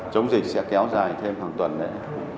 chống dịch sẽ kéo dài thêm hàng tuần đấy